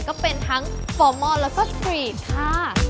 ก็เป็นทั้งฟอร์มอนแล้วก็สตรีทค่ะ